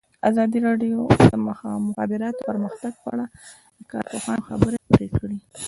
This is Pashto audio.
ازادي راډیو د د مخابراتو پرمختګ په اړه د کارپوهانو خبرې خپرې کړي.